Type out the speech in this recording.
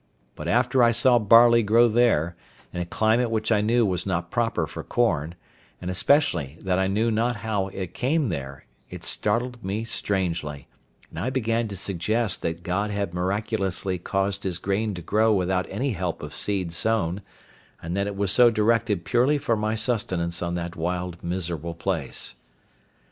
But after I saw barley grow there, in a climate which I knew was not proper for corn, and especially that I knew not how it came there, it startled me strangely, and I began to suggest that God had miraculously caused His grain to grow without any help of seed sown, and that it was so directed purely for my sustenance on that wild, miserable place.